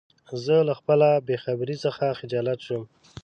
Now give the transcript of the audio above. زه له خپله بېخبری څخه خجالت شوم.